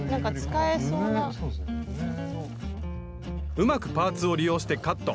うまくパーツを利用してカット。